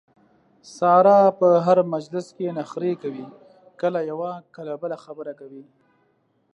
ساره په هر مجلس کې نخرې کوي کله یوه کله بله خبره کوي.